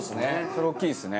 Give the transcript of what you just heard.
それ大きいですね。